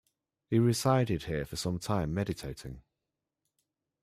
He resided here for some time meditating.